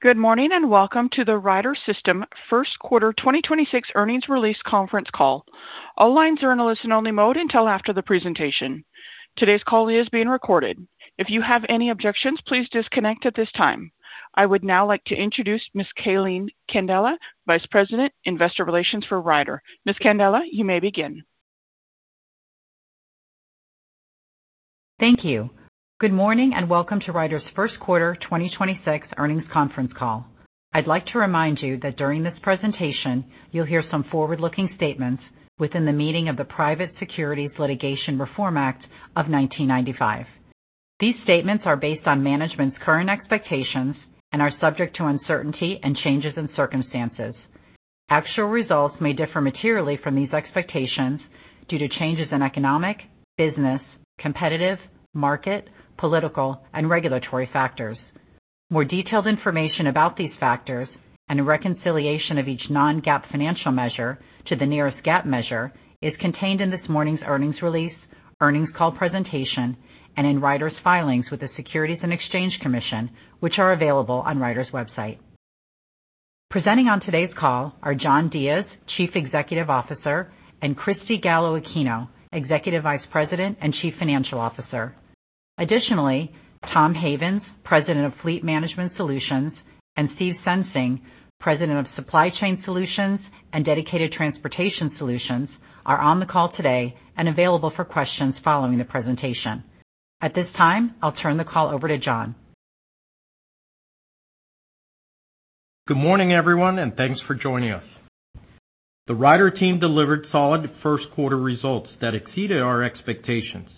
Good morning, and welcome to the Ryder System First Quarter 2026 earnings release conference call. All lines are in a listen-only mode until after the presentation. Today's call is being recorded. If you have any objections, please disconnect at this time. I would now like to introduce Ms. Calene Candela, Vice President, Investor Relations for Ryder. Ms. Candela, you may begin. Thank you. Good morning, and welcome to Ryder's First Quarter 2026 earnings conference call. I'd like to remind you that during this presentation, you'll hear some forward-looking statements within the meaning of the Private Securities Litigation Reform Act of 1995. These statements are based on management's current expectations and are subject to uncertainty and changes in circumstances. Actual results may differ materially from these expectations due to changes in economic, business, competitive, market, political, and regulatory factors. More detailed information about these factors and a reconciliation of each non-GAAP financial measure to the nearest GAAP measure is contained in this morning's earnings release, earnings call presentation, and in Ryder's filings with the Securities and Exchange Commission, which are available on Ryder's website. Presenting on today's call are John J. Diez, Chief Executive Officer, and Cristy Gallo-Aquino, Executive Vice President and Chief Financial Officer. Additionally, Tom Havens, President of Fleet Management Solutions, and Steve Sensing, President of Supply Chain Solutions and Dedicated Transportation Solutions, are on the call today and available for questions following the presentation. At this time, I'll turn the call over to John. Good morning, everyone, and thanks for joining us. The Ryder team delivered solid first-quarter results that exceeded our expectations.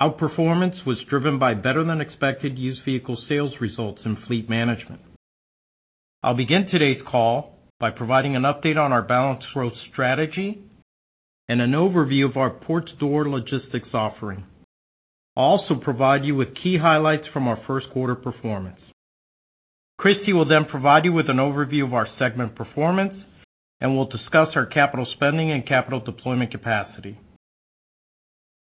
Outperformance was driven by better-than-expected used vehicle sales results in Fleet Management. I'll begin today's call by providing an update on our balanced growth strategy and an overview of our Port-to-Door logistics offering. I'll also provide you with key highlights from our first-quarter performance. Cristy will then provide you with an overview of our segment performance, and we'll discuss our capital spending and capital deployment capacity.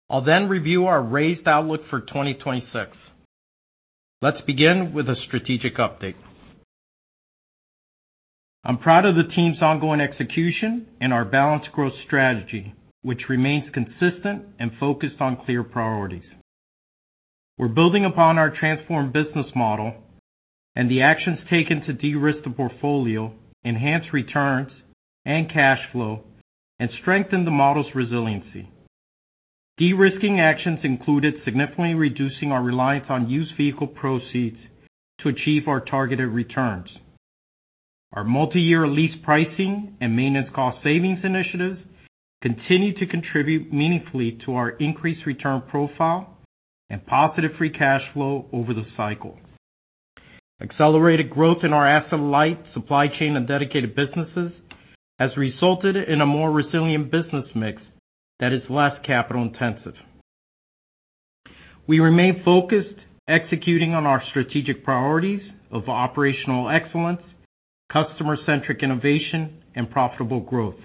I'll then review our raised outlook for 2026. Let's begin with a strategic update. I'm proud of the team's ongoing execution and our balanced growth strategy, which remains consistent and focused on clear priorities. We're building upon our transformed business model and the actions taken to de-risk the portfolio, enhance returns and cash flow, and strengthen the model's resiliency. De-risking actions included significantly reducing our reliance on used vehicle proceeds to achieve our targeted returns. Our multi-year lease pricing and maintenance cost savings initiatives continue to contribute meaningfully to our increased return profile and positive free cash flow over the cycle. Accelerated growth in our asset-light supply chain and dedicated businesses has resulted in a more resilient business mix that is less capital-intensive. We remain focused, executing on our strategic priorities of operational excellence, customer-centric innovation, and profitable growth.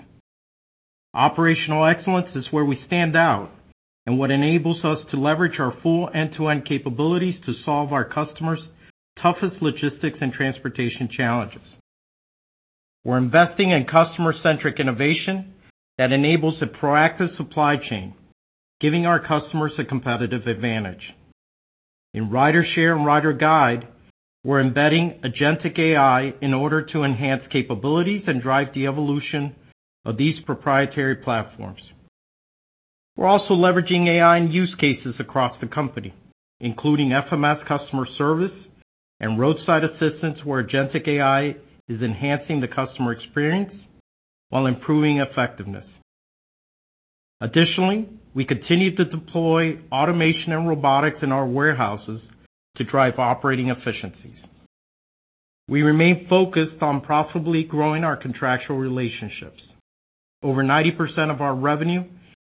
Operational excellence is where we stand out and what enables us to leverage our full end-to-end capabilities to solve our customers' toughest logistics and transportation challenges. We're investing in customer-centric innovation that enables a proactive supply chain, giving our customers a competitive advantage. In RyderShare and RyderGyde, we're embedding agentic AI in order to enhance capabilities and drive the evolution of these proprietary platforms. We're also leveraging AI and use cases across the company, including FMS customer service and roadside assistance, where agentic AI is enhancing the customer experience while improving effectiveness. Additionally, we continue to deploy automation and robotics in our warehouses to drive operating efficiencies. We remain focused on profitably growing our contractual relationships. Over 90% of our revenue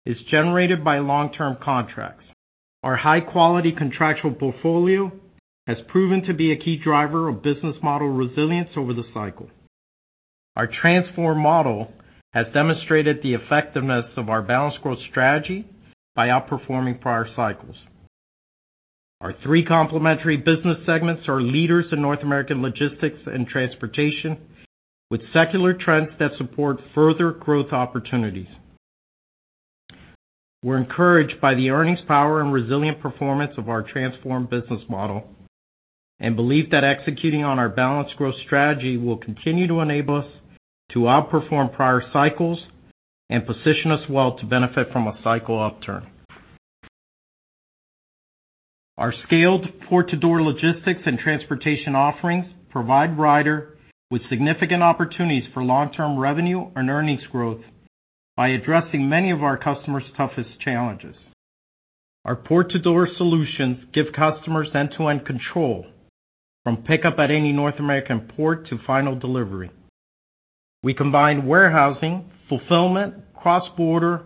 is generated by long-term contracts. Our high-quality contractual portfolio has proven to be a key driver of business model resilience over the cycle. Our transformed model has demonstrated the effectiveness of our balanced growth strategy by outperforming prior cycles. Our three complementary business segments are leaders in North American logistics and transportation, with secular trends that support further growth opportunities. We're encouraged by the earnings power and resilient performance of our transformed business model and believe that executing on our balanced growth strategy will continue to enable us to outperform prior cycles and position us well to benefit from a cycle upturn. Our scaled Port-to-Door logistics and transportation offerings provide Ryder with significant opportunities for long-term revenue and earnings growth by addressing many of our customers' toughest challenges. Our Port-to-Door solutions give customers end-to-end control, from pickup at any North American port to final delivery. We combine warehousing, fulfillment, cross-border,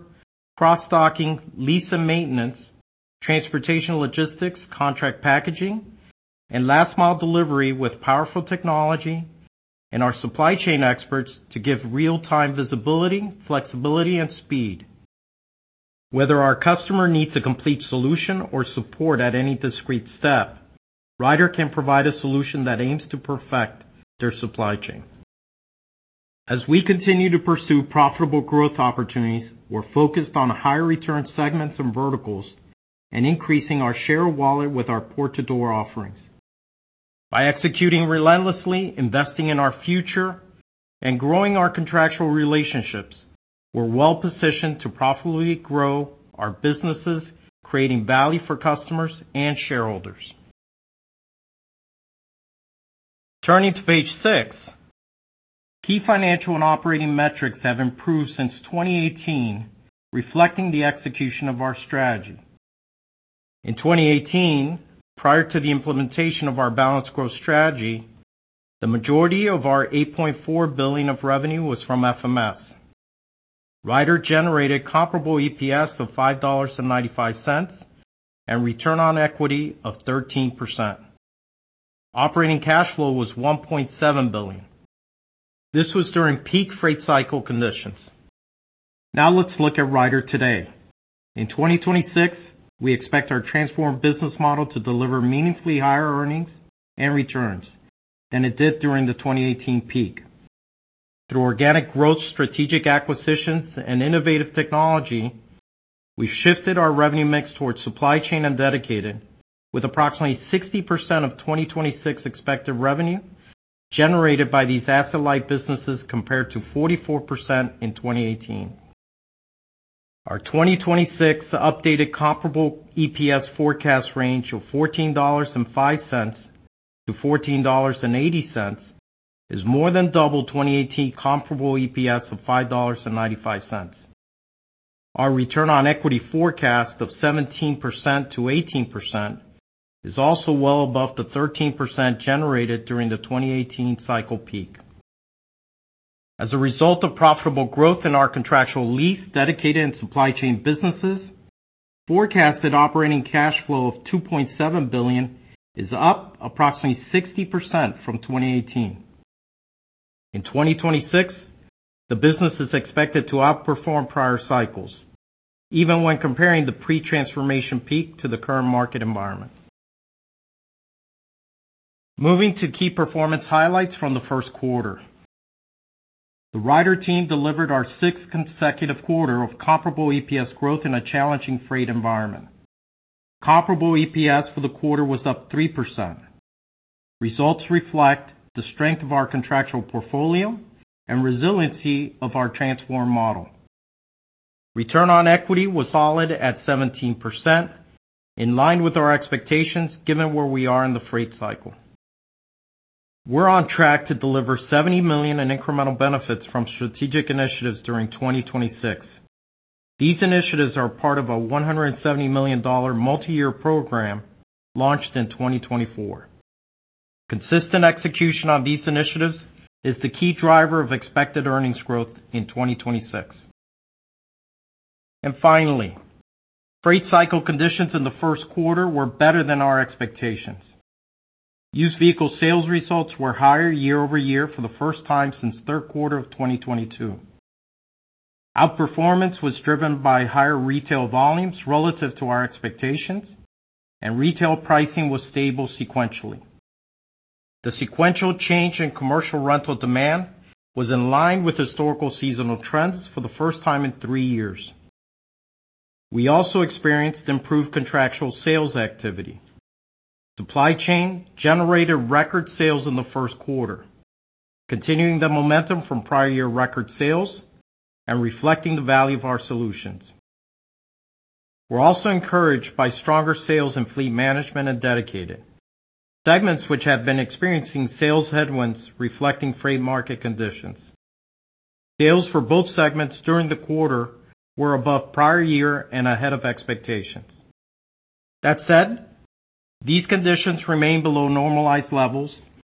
cross-docking, lease and maintenance, transportation logistics, contract packaging, and last-mile delivery with powerful technology and our supply chain experts to give real-time visibility, flexibility, and speed. Whether our customer needs a complete solution or support at any discrete step, Ryder can provide a solution that aims to perfect their supply chain. As we continue to pursue profitable growth opportunities, we're focused on higher return segments and verticals and increasing our share of wallet with our Port-to-Door offerings. By executing relentlessly, investing in our future, and growing our contractual relationships, we're well-positioned to profitably grow our businesses, creating value for customers and shareholders. Turning to page six, key financial and operating metrics have improved since 2018, reflecting the execution of our strategy. In 2018, prior to the implementation of our balanced growth strategy, the majority of our $8.4 billion of revenue was from FMS. Ryder generated comparable EPS of $5.95 and return on equity of 13%. Operating cash flow was $1.7 billion. This was during peak freight cycle conditions. Now let's look at Ryder today. In 2026, we expect our transformed business model to deliver meaningfully higher earnings and returns than it did during the 2018 peak. Through organic growth, strategic acquisitions, and innovative technology, we've shifted our revenue mix towards Supply Chain and Dedicated, with approximately 60% of 2026 expected revenue generated by these asset-light businesses, compared to 44% in 2018. Our 2026 updated comparable EPS forecast range of $14.05-$14.80 is more than double 2018 comparable EPS of $5.95. Our return on equity forecast of 17%-18% is also well above the 13% generated during the 2018 cycle peak. As a result of profitable growth in our contractual lease, Dedicated, and Supply Chain businesses, forecasted operating cash flow of $2.7 billion is up approximately 60% from 2018. In 2026, the business is expected to outperform prior cycles, even when comparing the pre-transformation peak to the current market environment. Moving to key performance highlights from the first quarter. The Ryder team delivered our 6th consecutive quarter of comparable EPS growth in a challenging freight environment. Comparable EPS for the quarter was up 3%. Results reflect the strength of our contractual portfolio and resiliency of our transformed model. Return on equity was solid at 17%, in line with our expectations, given where we are in the freight cycle. We're on track to deliver $70 million in incremental benefits from strategic initiatives during 2026. These initiatives are part of a $170 million multi-year program launched in 2024. Consistent execution on these initiatives is the key driver of expected earnings growth in 2026. Finally, freight cycle conditions in the first quarter were better than our expectations. Used vehicle sales results were higher year-over-year for the first time since third quarter of 2022. Outperformance was driven by higher retail volumes relative to our expectations, and retail pricing was stable sequentially. The sequential change in commercial rental demand was in line with historical seasonal trends for the first time in three years. We also experienced improved contractual sales activity. Supply Chain generated record sales in the first quarter, continuing the momentum from prior year record sales and reflecting the value of our solutions. We're also encouraged by stronger sales in Fleet Management and Dedicated segments which have been experiencing sales headwinds reflecting freight market conditions. Sales for both segments during the quarter were above prior year and ahead of expectations. That said, these conditions remain below normalized levels,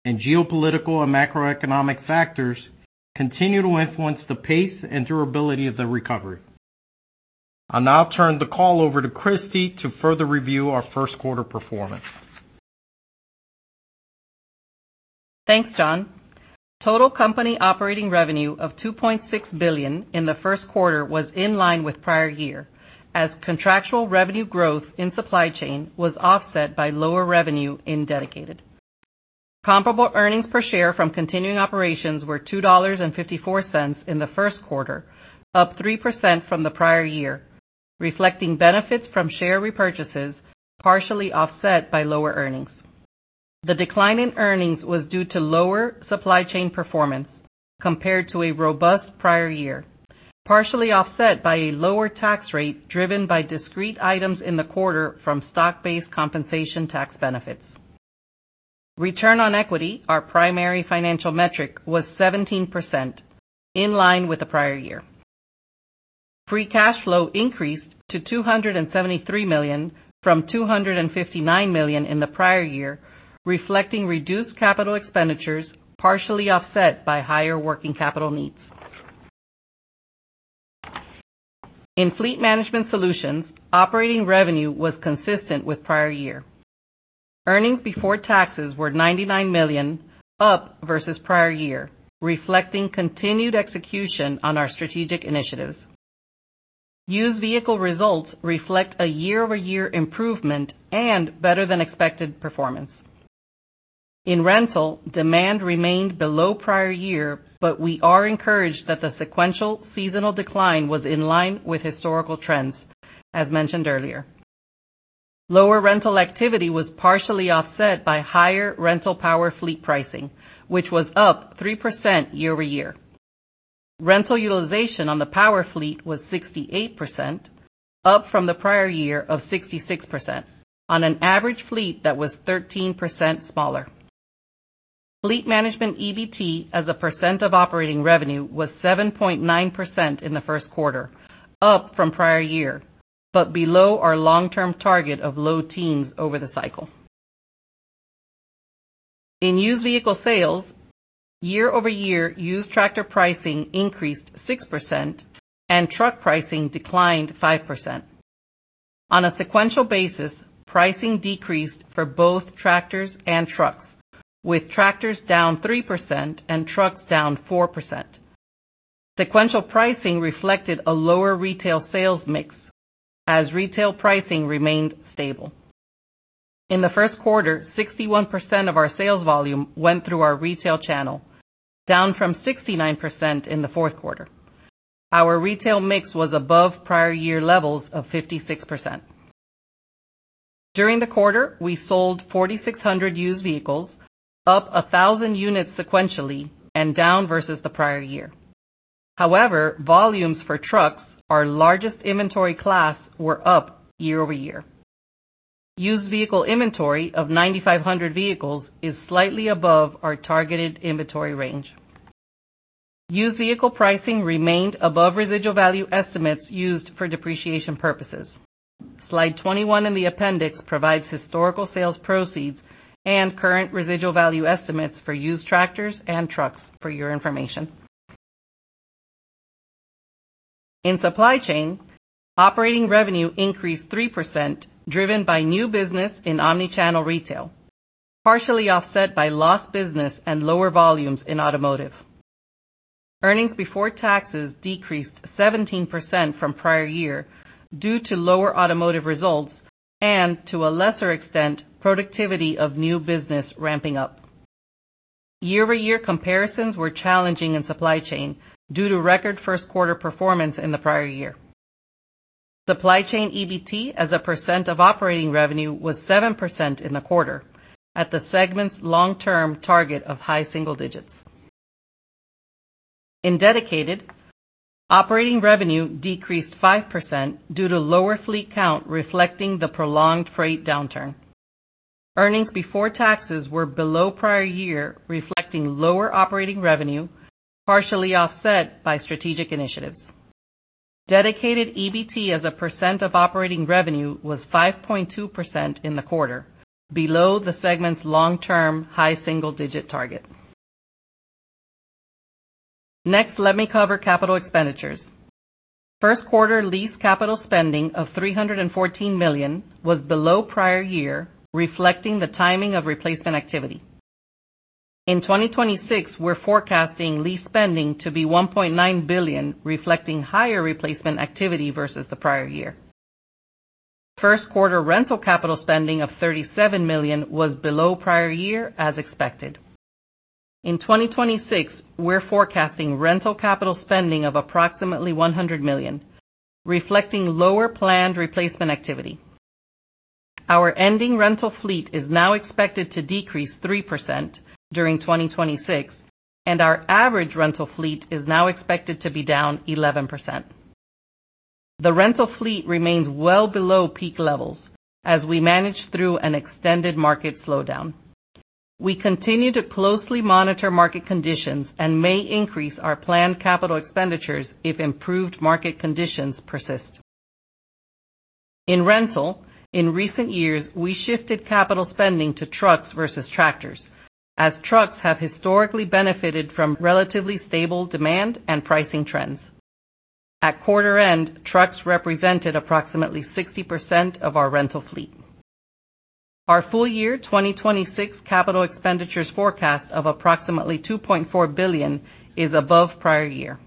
and geopolitical and macroeconomic factors continue to influence the pace and durability of the recovery. I'll now turn the call over to Cristy to further review our first quarter performance. Thanks, John. Total company operating revenue of $2.6 billion in the first quarter was in line with prior year, as contractual revenue growth in supply chain was offset by lower revenue in dedicated. Comparable earnings per share from continuing operations were $2.54 in the first quarter, up 3% from the prior year, reflecting benefits from share repurchases, partially offset by lower earnings. The decline in earnings was due to lower supply chain performance compared to a robust prior year, partially offset by a lower tax rate driven by discrete items in the quarter from stock-based compensation tax benefits. Return on equity, our primary financial metric, was 17%, in line with the prior year. Free cash flow increased to $273 million from $259 million in the prior year, reflecting reduced capital expenditures, partially offset by higher working capital needs. In Fleet Management Solutions, operating revenue was consistent with prior year. Earnings before taxes were $99 million up versus prior year, reflecting continued execution on our strategic initiatives. Used vehicle results reflect a year-over-year improvement and better than expected performance. In rental, demand remained below prior year, but we are encouraged that the sequential seasonal decline was in line with historical trends as mentioned earlier. Lower rental activity was partially offset by higher rental power fleet pricing, which was up 3% year-over-year. Rental utilization on the power fleet was 68%, up from the prior year of 66%, on an average fleet that was 13% smaller. Fleet Management EBT as a percent of operating revenue was 7.9% in the first quarter, up from prior year, but below our long-term target of low teens over the cycle. In used vehicle sales, year-over-year used tractor pricing increased 6% and truck pricing declined 5%. On a sequential basis, pricing decreased for both tractors and trucks, with tractors down 3% and trucks down 4%. Sequential pricing reflected a lower retail sales mix as retail pricing remained stable. In the first quarter, 61% of our sales volume went through our retail channel, down from 69% in the fourth quarter. Our retail mix was above prior year levels of 56%. During the quarter, we sold 4,600 used vehicles, up 1,000 units sequentially and down versus the prior year. However, volumes for trucks, our largest inventory class, were up year-over-year. Used vehicle inventory of 9,500 vehicles is slightly above our targeted inventory range. Used vehicle pricing remained above residual value estimates used for depreciation purposes. Slide 21 in the appendix provides historical sales proceeds and current residual value estimates for used tractors and trucks for your information. In Supply Chain, operating revenue increased 3%, driven by new business in omnichannel retail, partially offset by lost business and lower volumes in automotive. Earnings before taxes decreased 17% from prior year due to lower automotive results and to a lesser extent, productivity of new business ramping up. Year-over-year comparisons were challenging in Supply Chain due to record first quarter performance in the prior year. Supply Chain EBT as a percent of operating revenue was 7% in the quarter, at the segment's long-term target of high single digits. In Dedicated, operating revenue decreased 5% due to lower fleet count reflecting the prolonged freight downturn. Earnings before taxes were below prior year, reflecting lower operating revenue, partially offset by strategic initiatives. Dedicated EBT as a percent of operating revenue was 5.2% in the quarter, below the segment's long-term high single-digit target. Next, let me cover capital expenditures. First-quarter lease capital spending of $314 million was below prior year, reflecting the timing of replacement activity. In 2026, we're forecasting lease spending to be $1.9 billion, reflecting higher replacement activity versus the prior year. First-quarter rental capital spending of $37 million was below prior year as expected. In 2026, we're forecasting rental capital spending of approximately $100 million, reflecting lower planned replacement activity. Our ending rental fleet is now expected to decrease 3% during 2026, and our average rental fleet is now expected to be down 11%. The rental fleet remains well below peak levels as we manage through an extended market slowdown. We continue to closely monitor market conditions and may increase our planned capital expenditures if improved market conditions persist. In rental, in recent years, we shifted capital spending to trucks versus tractors, as trucks have historically benefited from relatively stable demand and pricing trends. At quarter end, trucks represented approximately 60% of our rental fleet. Our full year 2026 capital expenditures forecast of approximately $2.4 billion is above prior year.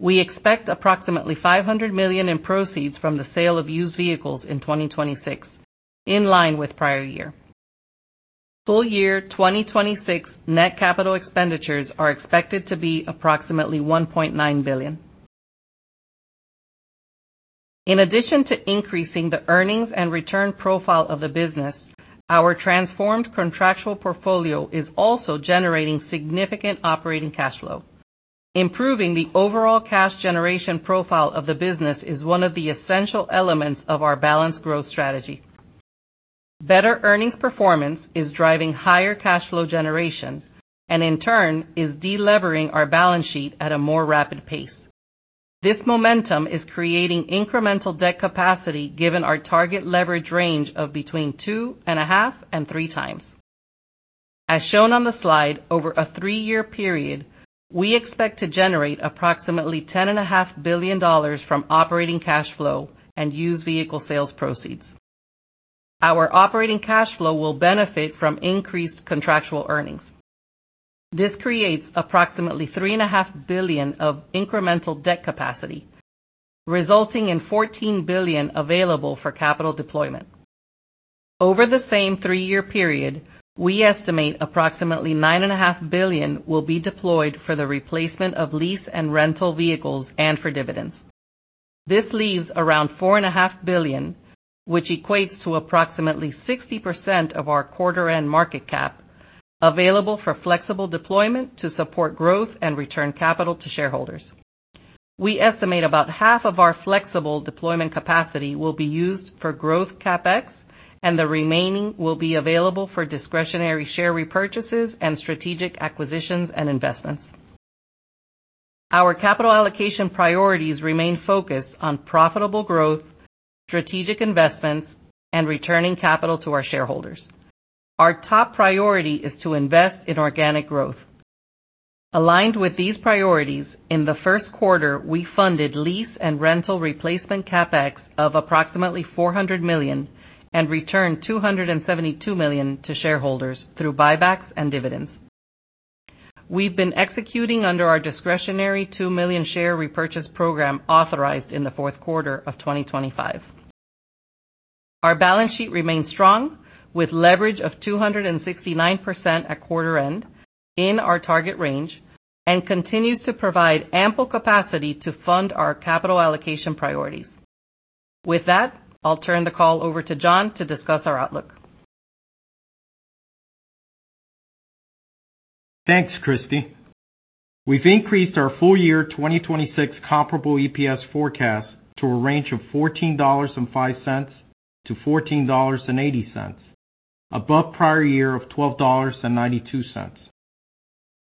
We expect approximately $500 million in proceeds from the sale of used vehicles in 2026, in line with prior year. Full year 2026 net capital expenditures are expected to be approximately $1.9 billion. In addition to increasing the earnings and return profile of the business, our transformed contractual portfolio is also generating significant operating cash flow. Improving the overall cash generation profile of the business is one of the essential elements of our balanced growth strategy. Better earnings performance is driving higher cash flow generation, and in turn is de-levering our balance sheet at a more rapid pace. This momentum is creating incremental debt capacity given our target leverage range of between 2.5x and 3x. As shown on the slide, over a three-year period, we expect to generate approximately $10.5 billion from operating cash flow and used vehicle sales proceeds. Our operating cash flow will benefit from increased contractual earnings. This creates approximately $3.5 billion of incremental debt capacity, resulting in $14 billion available for capital deployment. Over the same three-year period, we estimate approximately $9.5 billion will be deployed for the replacement of lease and rental vehicles and for dividends. This leaves around $4.5 billion, which equates to approximately 60% of our quarter-end market cap, available for flexible deployment to support growth and return capital to shareholders. We estimate about half of our flexible deployment capacity will be used for growth CAPEX and the remaining will be available for discretionary share repurchases and strategic acquisitions and investments. Our capital allocation priorities remain focused on profitable growth, strategic investments, and returning capital to our shareholders. Our top priority is to invest in organic growth. Aligned with these priorities, in the first quarter, we funded lease and rental replacement CAPEX of approximately $400 million and returned $272 million to shareholders through buybacks and dividends. We've been executing under our discretionary 2 million share repurchase program authorized in the fourth quarter of 2025. Our balance sheet remains strong with leverage of 269% at quarter end in our target range, and continued to provide ample capacity to fund our capital allocation priorities. With that, I'll turn the call over to John to discuss our outlook. Thanks, Cristy. We've increased our full year 2026 comparable EPS forecast to a range of $14.05-$14.80, above prior year of $12.92.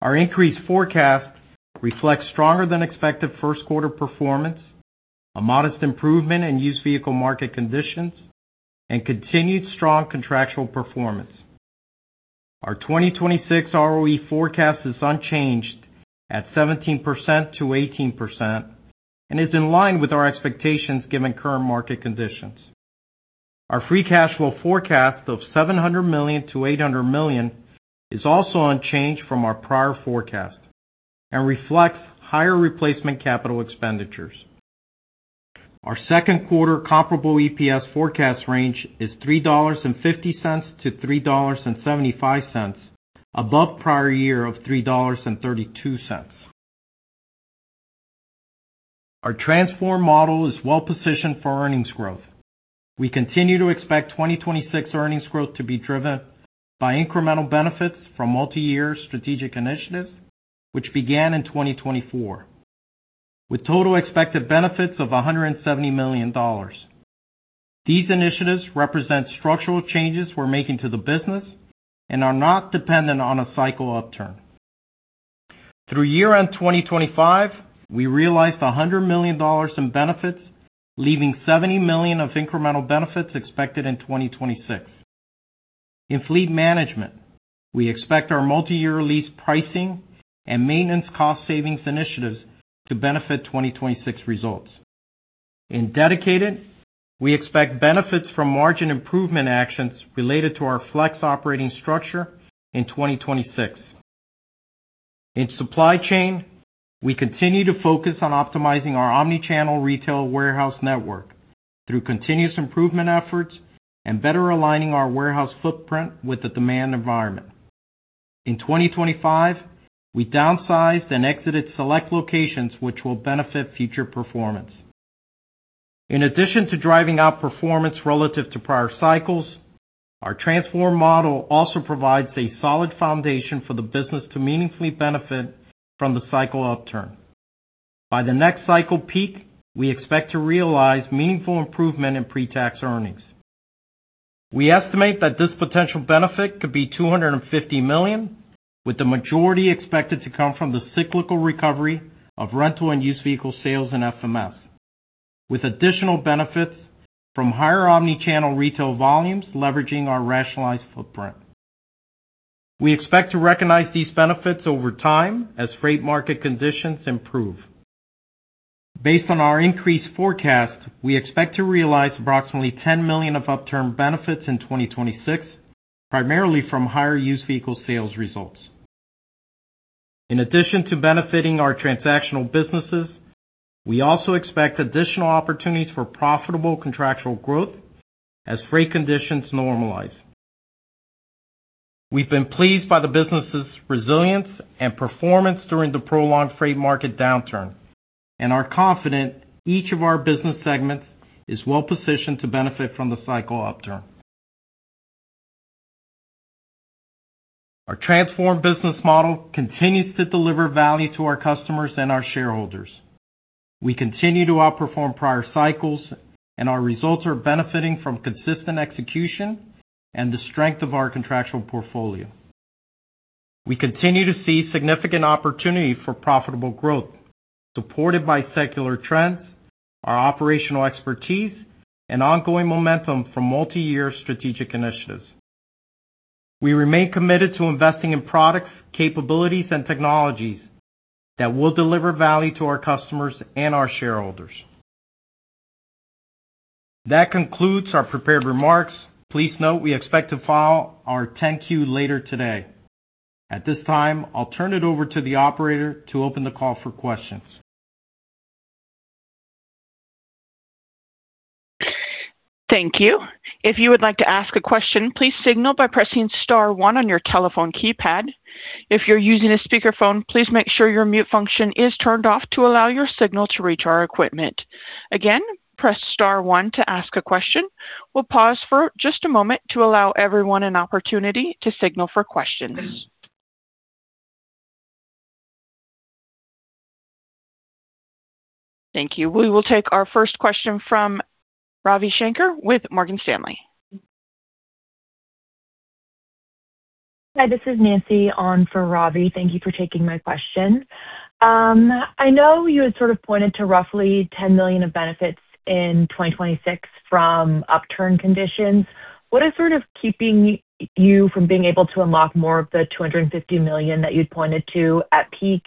Our increased forecast reflects stronger than expected first quarter performance, a modest improvement in used vehicle market conditions, and continued strong contractual performance. Our 2026 ROE forecast is unchanged at 17%-18% and is in line with our expectations given current market conditions. Our free cash flow forecast of $700 million-$800 million is also unchanged from our prior forecast and reflects higher replacement capital expenditures. Our second quarter comparable EPS forecast range is $3.50-$3.75, above prior year of $3.32. Our transformed model is well-positioned for earnings growth. We continue to expect 2026 earnings growth to be driven by incremental benefits from multi-year strategic initiatives, which began in 2024, with total expected benefits of $170 million. These initiatives represent structural changes we're making to the business and are not dependent on a cycle upturn. Through year-end 2025, we realized $100 million in benefits, leaving $70 million of incremental benefits expected in 2026. In fleet management, we expect our multi-year lease pricing and maintenance cost savings initiatives to benefit 2026 results. In dedicated, we expect benefits from margin improvement actions related to our flex operating structure in 2026. In supply chain, we continue to focus on optimizing our omnichannel retail warehouse network through continuous improvement efforts and better aligning our warehouse footprint with the demand environment. In 2025, we downsized and exited select locations which will benefit future performance. In addition to driving out performance relative to prior cycles, our transformed model also provides a solid foundation for the business to meaningfully benefit from the cycle upturn. By the next cycle peak, we expect to realize meaningful improvement in pre-tax earnings. We estimate that this potential benefit could be $250 million, with the majority expected to come from the cyclical recovery of rental and used vehicle sales in FMS, with additional benefits from higher omnichannel retail volumes leveraging our rationalized footprint. We expect to recognize these benefits over time as freight market conditions improve. Based on our increased forecast, we expect to realize approximately $10 million of upturn benefits in 2026, primarily from higher used vehicle sales results. In addition to benefiting our transactional businesses, we also expect additional opportunities for profitable contractual growth as freight conditions normalize. We've been pleased by the business's resilience and performance during the prolonged freight market downturn and are confident each of our business segments is well-positioned to benefit from the cycle upturn. Our transformed business model continues to deliver value to our customers and our shareholders. We continue to outperform prior cycles and our results are benefiting from consistent execution and the strength of our contractual portfolio. We continue to see significant opportunity for profitable growth supported by secular trends, our operational expertise, and ongoing momentum from multi-year strategic initiatives. We remain committed to investing in products, capabilities, and technologies that will deliver value to our customers and our shareholders. That concludes our prepared remarks. Please note we expect to file our 10-Q later today. At this time, I'll turn it over to the operator to open the call for questions. Thank you. If you would like to ask a question, please signal by pressing star one on your telephone keypad. If you're using a speakerphone, please make sure your mute function is turned off to allow your signal to reach our equipment. Again, press star one to ask a question. We'll pause for just a moment to allow everyone an opportunity to signal for questions. Thank you. We will take our first question from Ravi Shanker with Morgan Stanley. Hi, this is Nancy on for Ravi. Thank you for taking my question. I know you had sort of pointed to roughly $10 million of benefits in 2026 from upturn conditions. What is sort of keeping you from being able to unlock more of the $250 million that you'd pointed to at peak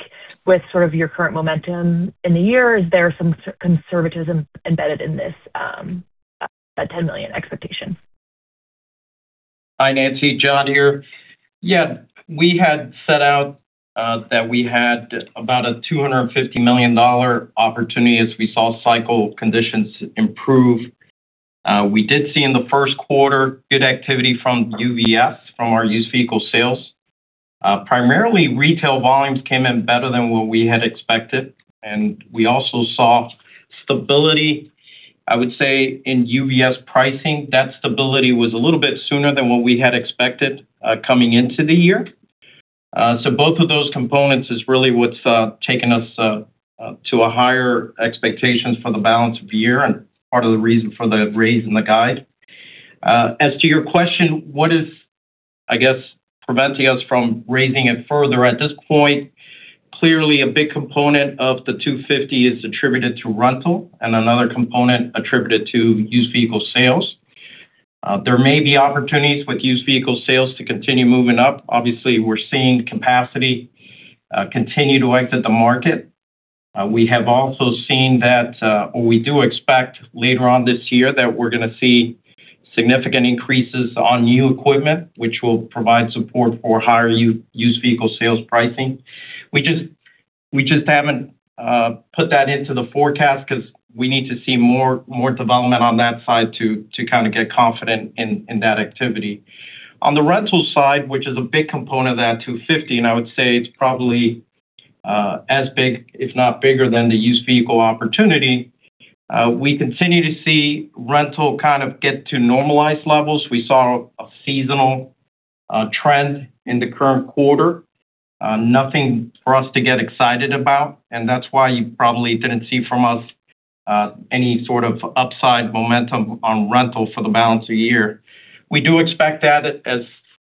with sort of your current momentum in the year? Is there some conservatism embedded in this, that $10 million expectation? Hi, Nancy. John here. Yeah. We had set out that we had about a $250 million opportunity as we saw cycle conditions improve. We did see in the first quarter good activity from UVS, from our used vehicle sales. Primarily, retail volumes came in better than what we had expected, and we also saw stability, I would say, in UVS pricing. That stability was a little bit sooner than what we had expected coming into the year. Both of those components is really what's taken us to a higher expectations for the balance of the year and part of the reason for the raise in the guide. As to your question, what is, I guess, preventing us from raising it further at this point? Clearly, a big component of the $250 million is attributed to rental and another component attributed to used vehicle sales. There may be opportunities with used vehicle sales to continue moving up. Obviously, we're seeing capacity continue to exit the market. We have also seen that we do expect later on this year that we're going to see significant increases on new equipment, which will provide support for higher used vehicle sales pricing. We just haven't put that into the forecast because we need to see more development on that side to kind of get confident in that activity. On the rental side, which is a big component of that $250 million, and I would say it's probably as big, if not bigger than the used vehicle opportunity. We continue to see rental kind of get to normalized levels. We saw a seasonal trend in the current quarter. Nothing for us to get excited about, and that's why you probably didn't see from us any sort of upside momentum on rental for the balance of the year. We do expect that as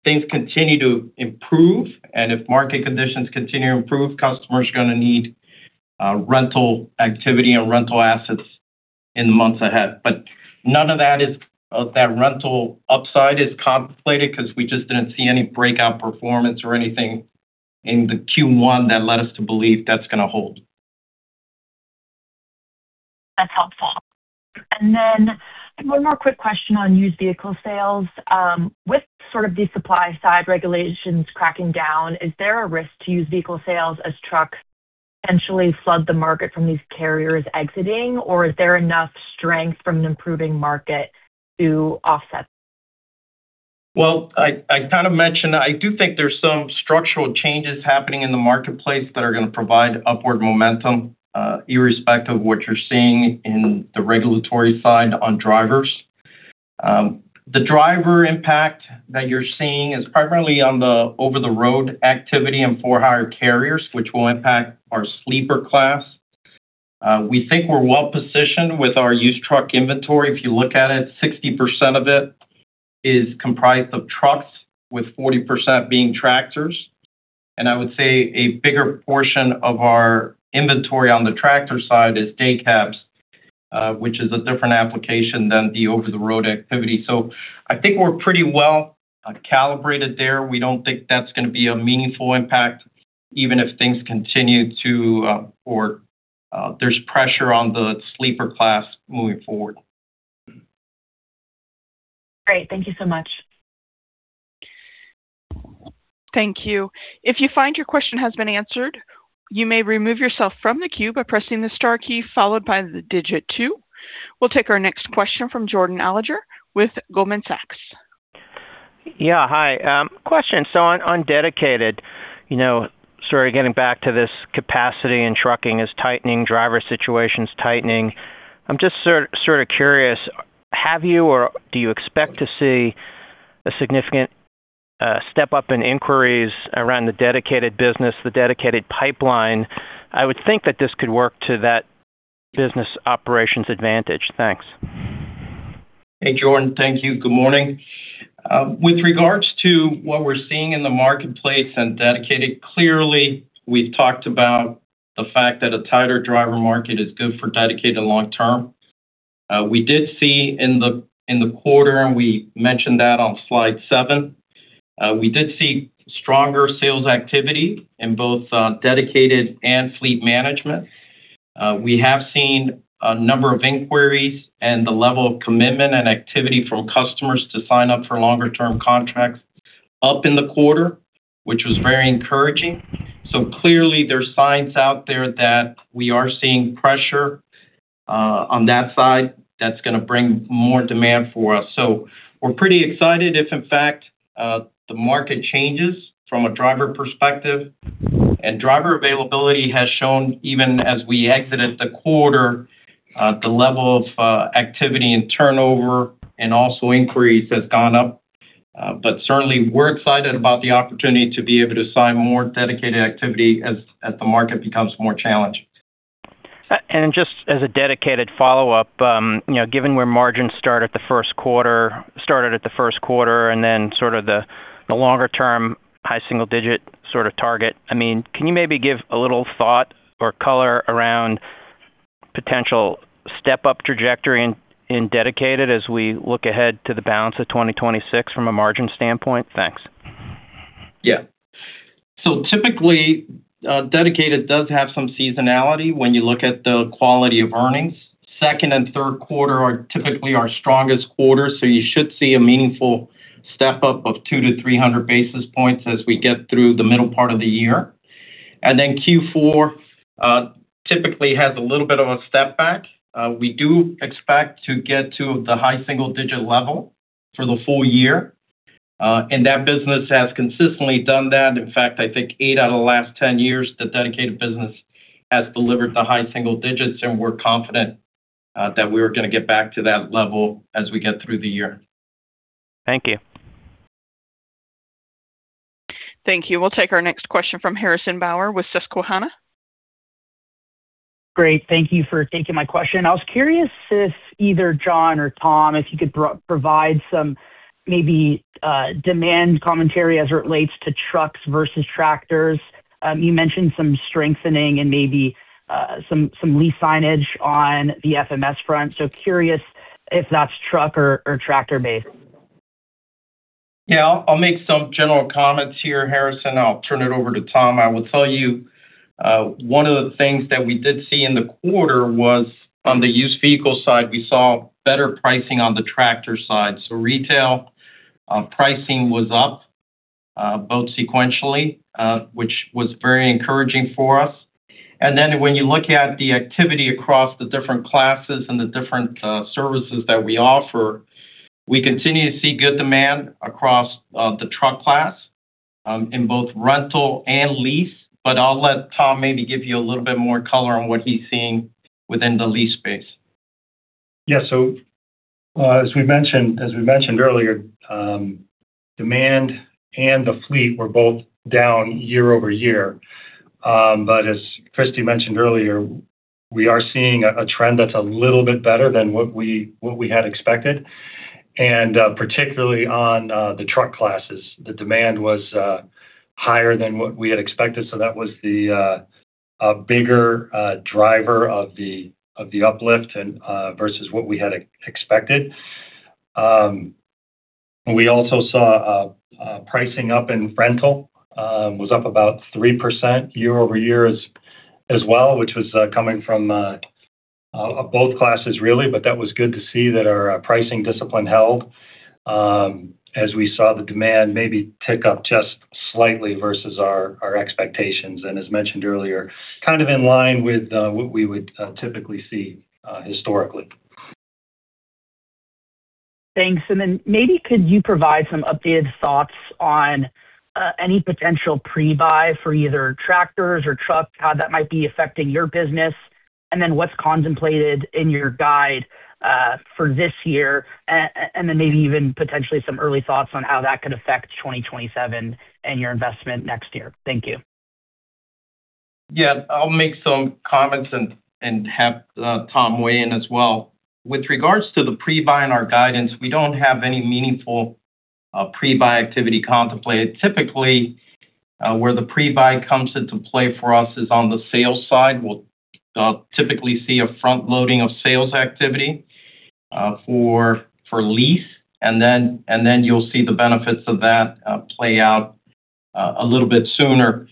things continue to improve and if market conditions continue to improve, customers are going to need rental activity and rental assets in the months ahead. None of that rental upside is contemplated because we just didn't see any breakout performance or anything in the Q1 that led us to believe that's going to hold. That's helpful. One more quick question on used vehicle sales. With sort of the supply side regulations cracking down, is there a risk to used vehicle sales as trucks potentially flood the market from these carriers exiting? Or is there enough strength from an improving market to offset? Well, I kind of mentioned, I do think there's some structural changes happening in the marketplace that are going to provide upward momentum, irrespective of what you're seeing in the regulatory side on drivers. The driver impact that you're seeing is primarily on the over-the-road activity and for-hire carriers, which will impact our sleeper class. We think we're well-positioned with our used truck inventory. If you look at it, 60% of it is comprised of trucks, with 40% being tractors. I would say a bigger portion of our inventory on the tractor side is day cabs, which is a different application than the over-the-road activity. I think we're pretty well calibrated there. We don't think that's going to be a meaningful impact even if things continue to, or there's pressure on the sleeper class moving forward. Great. Thank you so much. Thank you. If you find your question has been answered, you may remove yourself from the queue by pressing the star key followed by the digit two. We'll take our next question from Jordan Alliger with Goldman Sachs. Yeah. Hi. Question: so on Dedicated, sort of getting back to this capacity and trucking is tightening, driver situation's tightening. I'm just sort of curious, have you or do you expect to see a significant step up in inquiries around the dedicated business, the dedicated pipeline? I would think that this could work to that business operation's advantage. Thanks. Hey, Jordan. Thank you. Good morning. With regards to what we're seeing in the marketplace and Dedicated, clearly, we've talked about the fact that a tighter driver market is good for Dedicated long-term. We did see in the quarter, and we mentioned that on slide seven, we did see stronger sales activity in both Dedicated and Fleet Management. We have seen a number of inquiries and the level of commitment and activity from customers to sign up for longer-term contracts up in the quarter, which was very encouraging. Clearly there's signs out there that we are seeing pressure on that side that's going to bring more demand for us. We're pretty excited if in fact the market changes from a driver perspective. Driver availability has shown, even as we exited the quarter, the level of activity and turnover and also inquiries has gone up. Certainly, we're excited about the opportunity to be able to sign more dedicated activity as the market becomes more challenged. Just as a Dedicated follow-up, given where margins started at the first quarter and then sort of the longer-term high single digit sort of target. Can you maybe give a little thought or color around potential step-up trajectory in Dedicated as we look ahead to the balance of 2026 from a margin standpoint? Thanks. Yeah. Typically, Dedicated does have some seasonality when you look at the quality of earnings. Second and third quarter are typically our strongest quarters, so you should see a meaningful step-up of 200-300 basis points as we get through the middle part of the year. Q4 typically has a little bit of a step-back. We do expect to get to the high single-digit level for the full year. That business has consistently done that. In fact, I think eight out of the last 10 years, the Dedicated business has delivered the high single digits, and we're confident that we are going to get back to that level as we get through the year. Thank you. Thank you. We'll take our next question from Harrison Bauer with Susquehanna. Great. Thank you for taking my question. I was curious if either John or Tom, if you could provide some maybe demand commentary as it relates to trucks versus tractors. You mentioned some strengthening and maybe some lease signings on the FMS front, so curious if that's truck or tractor-based. Yeah. I'll make some general comments here, Harrison. I'll turn it over to Tom. I will tell you one of the things that we did see in the quarter was on the used vehicle side, we saw better pricing on the tractor side. Retail pricing was up, both sequentially, which was very encouraging for us. When you look at the activity across the different classes and the different services that we offer, we continue to see good demand across the truck class, in both rental and lease. I'll let Tom maybe give you a little bit more color on what he's seeing within the lease space. Yeah. As we mentioned earlier, demand and the fleet were both down year-over-year. As Cristy mentioned earlier, we are seeing a trend that's a little bit better than what we had expected, and particularly on the truck classes. The demand was higher than what we had expected, so that was the bigger driver of the uplift and versus what we had expected. We also saw pricing up in rental, was up about 3% year-over-year as well, which was coming from both classes really. That was good to see that our pricing discipline held, as we saw the demand maybe tick up just slightly versus our expectations. As mentioned earlier, kind of in line with what we would typically see historically. Thanks. Maybe could you provide some updated thoughts on any potential pre-buy for either tractors or trucks, how that might be affecting your business, and then what's contemplated in your guide for this year? Maybe even potentially some early thoughts on how that could affect 2027 and your investment next year. Thank you. Yeah. I'll make some comments and have Tom weigh in as well. With regards to the pre-buy and our guidance, we don't have any meaningful pre-buy activity contemplated. Typically, where the pre-buy comes into play for us is on the sales side. We'll typically see a front-loading of sales activity for lease, and then you'll see the benefits of that play out a little bit sooner.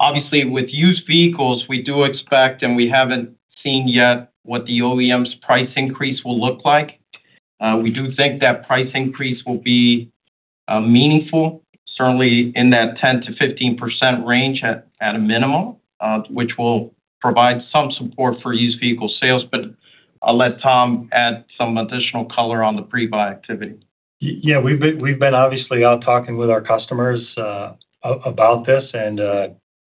Obviously, with used vehicles, we do expect, and we haven't seen yet what the OEM's price increase will look like. We do think that price increase will be meaningful, certainly in that 10%-15% range at a minimum, which will provide some support for used vehicle sales. I'll let Tom add some additional color on the pre-buy activity. Yeah. We've been obviously out talking with our customers about this and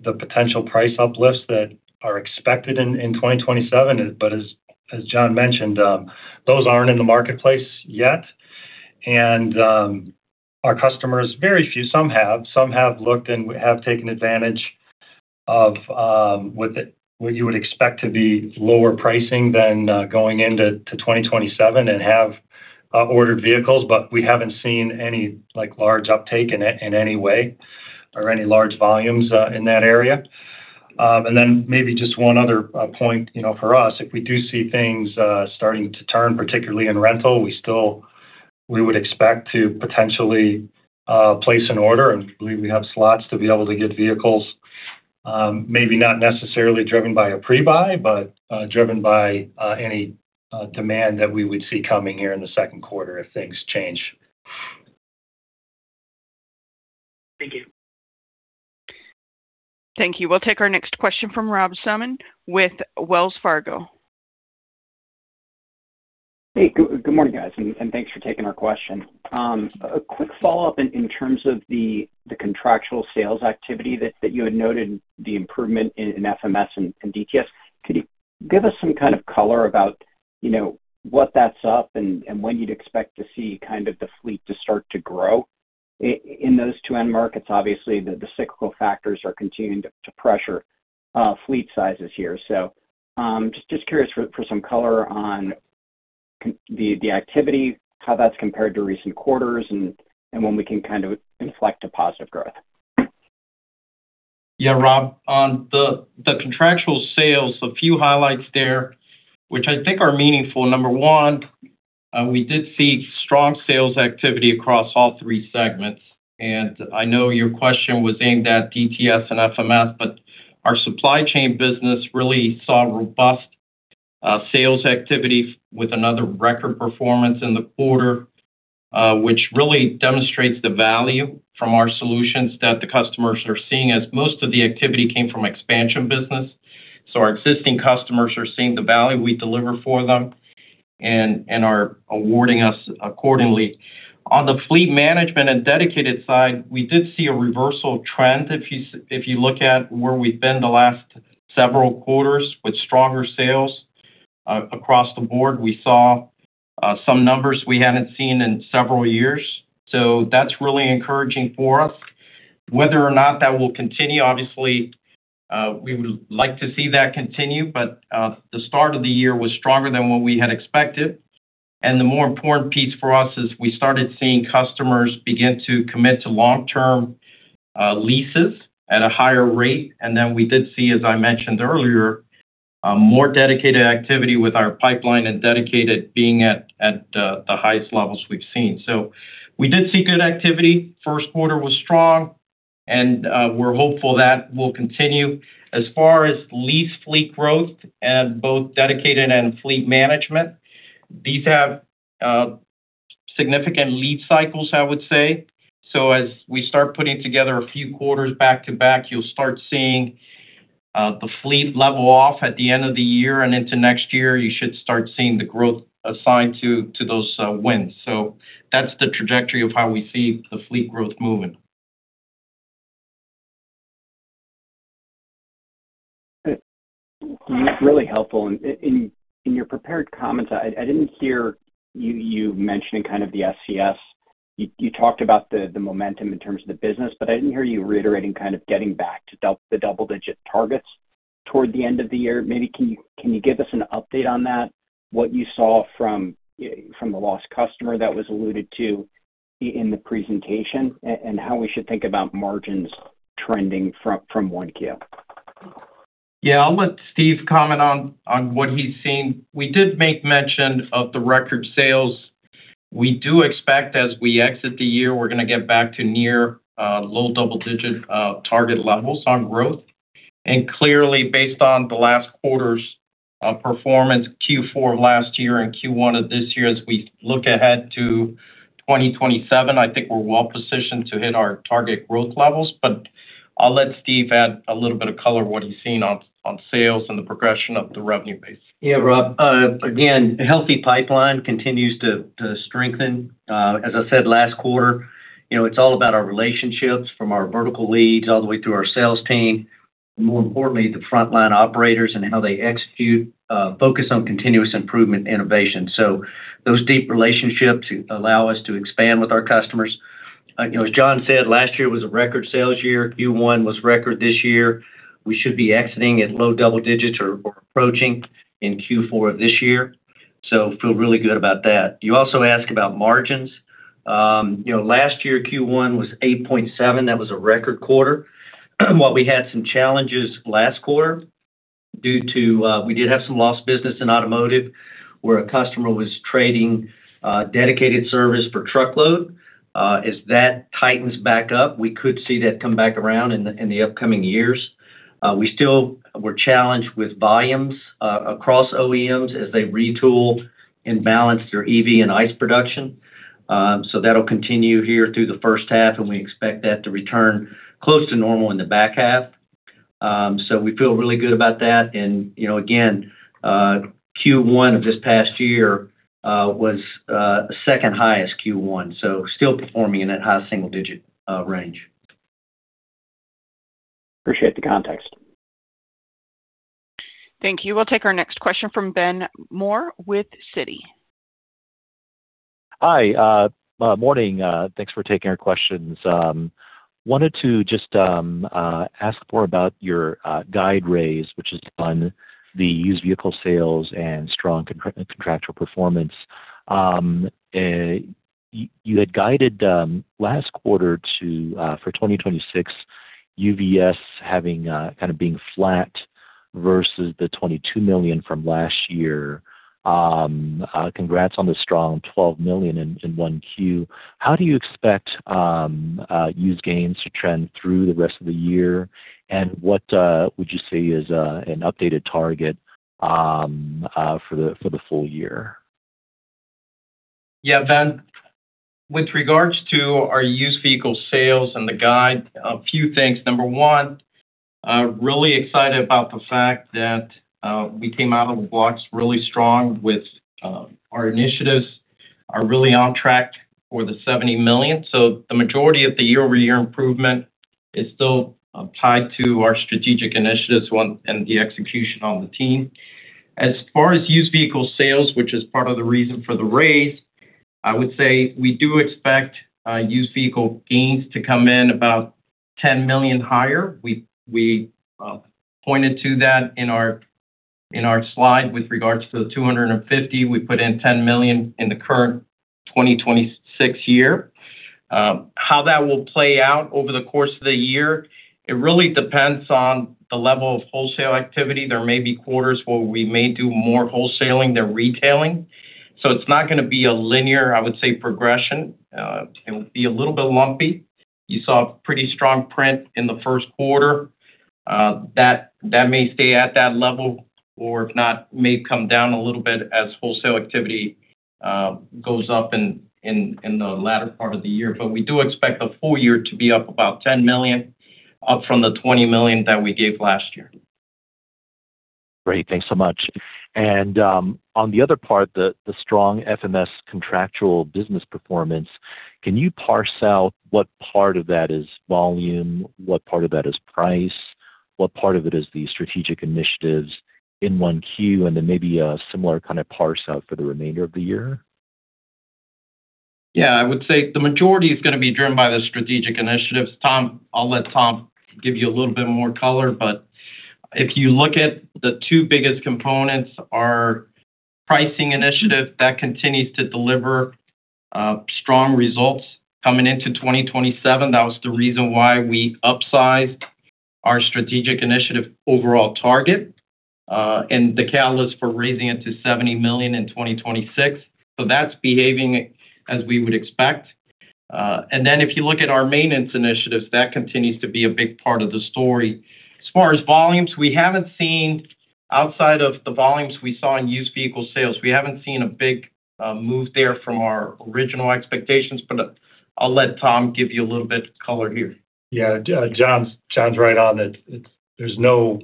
the potential price uplifts that are expected in 2027, but as John mentioned, those aren't in the marketplace yet. Our customers, very few, some have looked and have taken advantage. Of what you would expect to be lower pricing than going into 2027 and have ordered vehicles. We haven't seen any large uptake in any way or any large volumes in that area. Maybe just one other point, for us, if we do see things starting to turn, particularly in rental, we would expect to potentially place an order and believe we have slots to be able to get vehicles. Maybe not necessarily driven by a pre-buy, but driven by any demand that we would see coming here in the second quarter if things change. Thank you. Thank you. We'll take our next question from Rob Salmon with Wells Fargo. Hey, good morning, guys, and thanks for taking our question. A quick follow-up in terms of the contractual sales activity that you had noted the improvement in FMS and DTS. Could you give us some kind of color about what that's up and when you'd expect to see the fleet to start to grow in those two end markets? Obviously, the cyclical factors are continuing to pressure fleet sizes here. Just curious for some color on the activity, how that's compared to recent quarters, and when we can inflect a positive growth. Yeah, Rob, on the contractual sales, a few highlights there, which I think are meaningful. Number one, we did see strong sales activity across all three segments. I know your question was aimed at DTS and FMS, but our supply chain business really saw robust sales activity with another record performance in the quarter, which really demonstrates the value from our solutions that the customers are seeing as most of the activity came from expansion business. Our existing customers are seeing the value we deliver for them and are awarding us accordingly. On the fleet management and dedicated side, we did see a reversal trend. If you look at where we've been the last several quarters with stronger sales across the board. We saw some numbers we hadn't seen in several years. That's really encouraging for us. Whether or not that will continue, obviously, we would like to see that continue, but the start of the year was stronger than what we had expected. The more important piece for us is we started seeing customers begin to commit to long-term leases at a higher rate. We did see, as I mentioned earlier, more dedicated activity with our pipeline and dedicated being at the highest levels we've seen. We did see good activity. First quarter was strong, and we're hopeful that will continue. As far as lease fleet growth at both dedicated and fleet management, these have significant lead cycles, I would say. As we start putting together a few quarters back-to-back, you'll start seeing the fleet level off at the end of the year and into next year. You should start seeing the growth assigned to those wins. That's the trajectory of how we see the fleet growth moving. That's really helpful. In your prepared comments, I didn't hear you mentioning kind of the SCS. You talked about the momentum in terms of the business, but I didn't hear you reiterating kind of getting back to the double-digit targets toward the end of the year. Maybe can you give us an update on that, what you saw from the lost customer that was alluded to in the presentation, and how we should think about margins trending from 1Q? Yeah, I'll let Steve comment on what he's seen. We did make mention of the record sales. We do expect as we exit the year, we're going to get back to near low double-digit target levels on growth. Clearly, based on the last quarter's performance, Q4 of last year and Q1 of this year, as we look ahead to 2027, I think we're well-positioned to hit our target growth levels. I'll let Steve add a little bit of color what he's seen on sales and the progression of the revenue base. Yeah, Rob. Again, healthy pipeline continues to strengthen. As I said last quarter, it's all about our relationships from our vertical leads all the way through our sales team, and more importantly, the frontline operators and how they execute focus on continuous improvement innovation. Those deep relationships allow us to expand with our customers. As John said, last year was a record sales year. Q1 was record this year. We should be exiting at low double digits or approaching in Q4 of this year. Feel really good about that. You also asked about margins. Last year, Q1 was 8.7%. That was a record quarter. While we had some challenges last quarter due to, we did have some lost business in automotive where a customer was trading dedicated service for truckload. As that tightens back up, we could see that come back around in the upcoming years. We still were challenged with volumes across OEMs as they retool and balance their EV and ICE production. That'll continue here through the first half, and we expect that to return close to normal in the back half. We feel really good about that. Again, Q1 of this past year was the second highest Q1, so still performing in that high single-digit range. Appreciate the context. Thank you. We'll take our next question from Ben Moore with Citi. Hi. Morning. Thanks for taking our questions. Wanted to just ask more about your guide raise, which is on the used vehicle sales and strong contractual performance. You had guided last quarter for 2026 UVS, having kind of being flat versus the $22 million from last year. Congrats on the strong $12 million in Q1. How do you expect used gains to trend through the rest of the year, and what would you say is an updated target for the full year? Yeah. Ben, with regards to our used vehicle sales and the guide, a few things. Number one, really excited about the fact that we came out of the blocks really strong with our initiatives are really on track for the $70 million. The majority of the year-over-year improvement is still tied to our strategic initiatives one and the execution on the team. As far as used vehicle sales, which is part of the reason for the raise, I would say we do expect used vehicle gains to come in about $10 million higher. We pointed to that in our slide with regards to the $250 million, we put in $10 million in the current 2026 year. How that will play out over the course of the year, it really depends on the level of wholesale activity. There may be quarters where we may do more wholesaling than retailing, so it's not going to be a linear, I would say, progression. It'll be a little bit lumpy. You saw a pretty strong print in the first quarter. That may stay at that level, or if not, may come down a little bit as wholesale activity goes up in the latter part of the year. We do expect the full year to be up about $10 million, up from the $20 million that we gave last year. Great. Thanks so much. On the other part, the strong FMS contractual business performance, can you parse out what part of that is volume, what part of that is price, what part of it is the strategic initiatives in 1Q? Maybe a similar kind of parse out for the remainder of the year. Yeah, I would say the majority is going to be driven by the strategic initiatives. Tom. I'll let Tom give you a little bit more color. If you look at the two biggest components are pricing initiative. That continues to deliver strong results coming into 2027. That was the reason why we upsized our strategic initiative overall target, and the catalyst for raising it to $70 million in 2026. That's behaving as we would expect. Then if you look at our maintenance initiatives, that continues to be a big part of the story. As far as volumes, we haven't seen, outside of the volumes we saw in used vehicle sales, a big move there from our original expectations, but I'll let Tom give you a little bit of color here. Yeah. John's right on it. There's no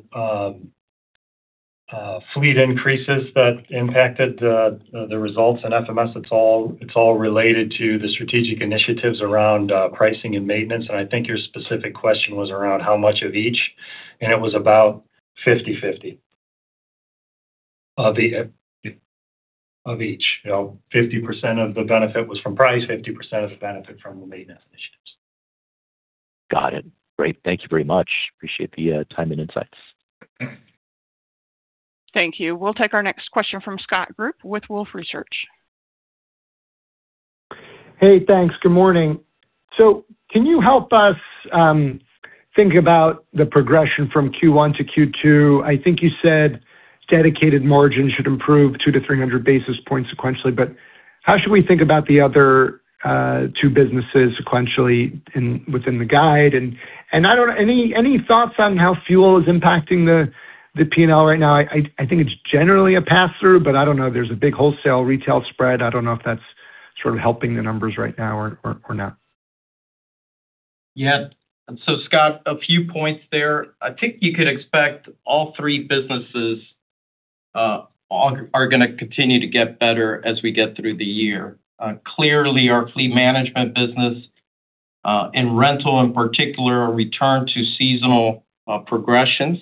fleet increases that impacted the results in FMS. It's all related to the strategic initiatives around pricing and maintenance. I think your specific question was around how much of each, and it was about 50/50 of each. 50% of the benefit was from price, 50% of the benefit from the maintenance initiatives. Got it. Great. Thank you very much. Appreciate the time and insights. Thank you. We'll take our next question from Scott Group with Wolfe Research. Hey, thanks. Good morning. Can you help us think about the progression from Q1 to Q2? I think you said Dedicated margin should improve 200-300 basis points sequentially, but how should we think about the other two businesses sequentially within the guide? Any thoughts on how fuel is impacting the P&L right now? I think it's generally a pass-through, but I don't know if there's a big wholesale retail spread. I don't know if that's sort of helping the numbers right now or not. Yeah. Scott, a few points there. I think you could expect all three businesses are going to continue to get better as we get through the year. Clearly, our Fleet Management business and rental in particular, a return to seasonal progressions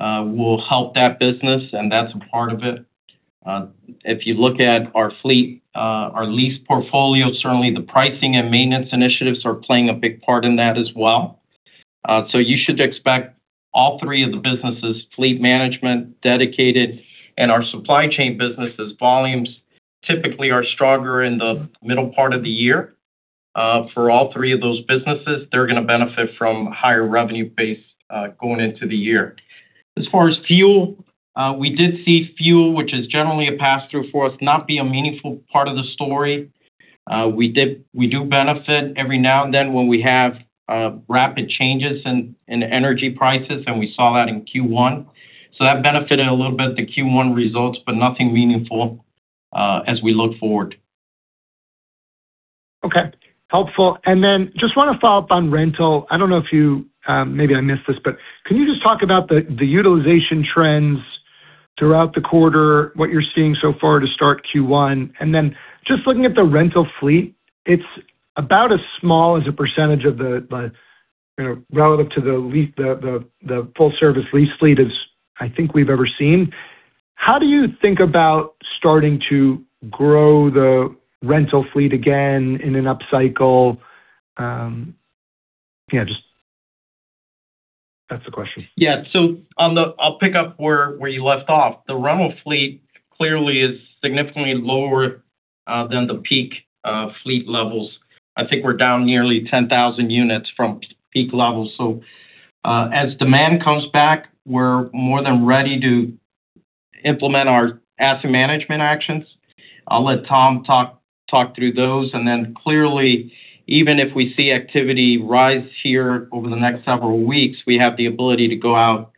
will help that business, and that's a part of it. If you look at our fleet, our lease portfolio, certainly the pricing and maintenance initiatives are playing a big part in that as well. You should expect all three of the businesses, Fleet Management, Dedicated, and our Supply Chain businesses, volumes typically are stronger in the middle part of the year. For all three of those businesses, they're going to benefit from higher revenue base going into the year. As far as fuel, we did see fuel, which is generally a pass-through for us, not be a meaningful part of the story. We do benefit every now and then when we have rapid changes in energy prices, and we saw that in Q1. That benefited a little bit, the Q1 results, but nothing meaningful as we look forward. Okay. Helpful. I just want to follow up on rental. I don't know if you, maybe I missed this, but can you just talk about the utilization trends throughout the quarter, what you're seeing so far to start Q1, and then just looking at the rental fleet, it's about as small as a percentage relative to the full service lease fleet as I think we've ever seen. How do you think about starting to grow the rental fleet again in an up cycle? Yeah, just. That's the question. Yeah. I'll pick up where you left off, the rental fleet clearly is significantly lower than the peak fleet levels. I think we're down nearly 10,000 units from peak levels. As demand comes back, we're more than ready to implement our asset management actions. I'll let Tom talk through those, and then clearly, even if we see activity rise here over the next several weeks, we have the ability to go out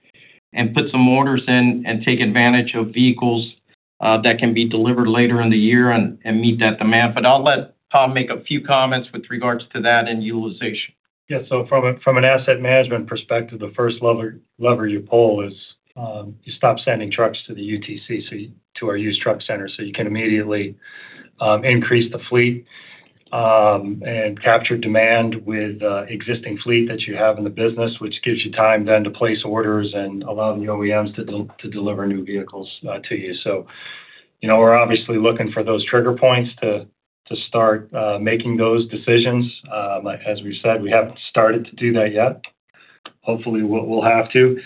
and put some orders in and take advantage of vehicles that can be delivered later in the year and meet that demand. I'll let Tom make a few comments with regards to that and utilization. Yeah. From an asset management perspective, the first lever you pull is, you stop sending trucks to the UTC, to our used truck center, so you can immediately increase the fleet, and capture demand with existing fleet that you have in the business, which gives you time then to place orders and allowing the OEMs to deliver new vehicles to you. We're obviously looking for those trigger points to start making those decisions. As we said, we haven't started to do that yet. Hopefully, we'll have to.